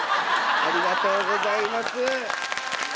ありがとうございます。